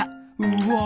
うわ！